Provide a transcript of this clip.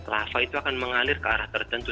lava itu akan mengalir ke arah tertentu